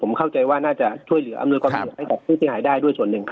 ผมเข้าใจว่าน่าจะช่วยเหลืออำนวยความยอด